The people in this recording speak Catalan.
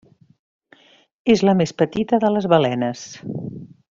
És la més petita de les balenes.